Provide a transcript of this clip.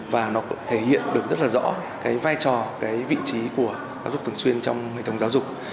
và nó thể hiện được rất là rõ cái vai trò cái vị trí của giáo dục thường xuyên trong hệ thống giáo dục